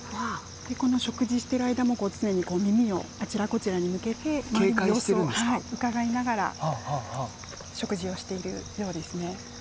食事をしている間も常に耳をあちらこちらに向けて周りの様子をうかがいながら食事をしているようですね。